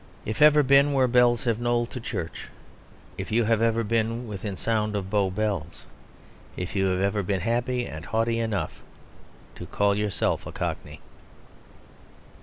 "If ever been where bells have knolled to church"; if you have ever been within sound of Bow bells; if you have ever been happy and haughty enough to call yourself a Cockney.